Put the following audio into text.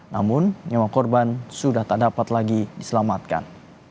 namun nyawa korban sudah tak dapat lagi diselamatkan